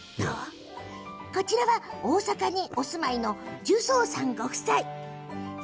こちらは大阪にお住まいの重走さんご夫婦。